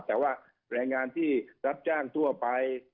แต่ว่าแรงงานที่รับจ้างทั่วไป